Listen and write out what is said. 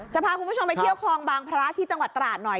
จะพาคุณผู้ชมไปเที่ยวคลองบางพระที่จังหวัดตราดหน่อย